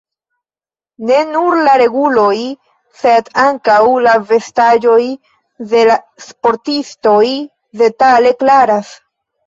Ne nur la reguloj sed ankaŭ la vestaĵoj de la sportistoj detale klaras.